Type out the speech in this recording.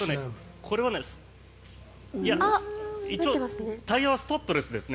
これは一応、タイヤはスタッドレスですね。